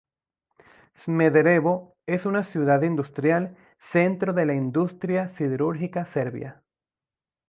Smederevo es una ciudad industrial, centro de la industria siderúrgica serbia.